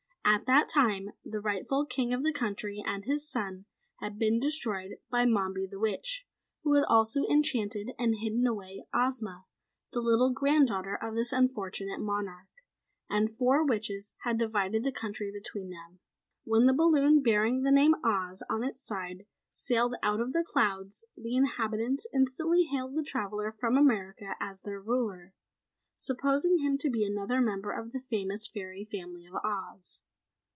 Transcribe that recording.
At that time, the rightful King of the Country and his son had been destroyed by Mombi the Witch, who also had enchanted and hidden away Ozma, the little Granddaughter of this unfortunate monarch. And four witches had divided the country between them. When the balloon bearing the name OZ on its side sailed out of the clouds, the inhabitants instantly hailed the traveller from America as their ruler, supposing him to be another member of the famous fairy family of Oz.